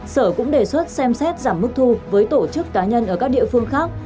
sở cũng đề xuất xem xét giảm mức thu với tổ chức cá nhân ở các địa phương khác